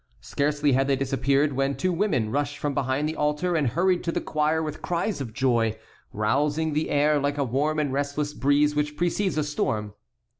Scarcely had they disappeared when two women rushed from behind the altar and hurried to the choir with cries of joy, rousing the air like a warm and restless breeze which precedes a storm.